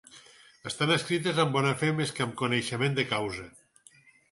Estan escrites amb bona fe més que amb coneixement de causa.